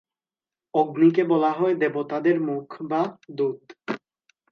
অগ্নিকে বলা হয় দেবতাদের মুখ বা দূত।